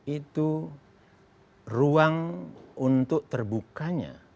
itu ruang untuk terbukanya